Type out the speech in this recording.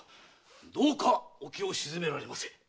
どうかお気を静められませ。